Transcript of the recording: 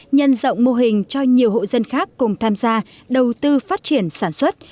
nhân rộng mô hình cho nhiều hộ dân khác cùng tham gia đầu tư phát triển sản xuất